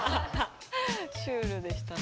シュールでしたね。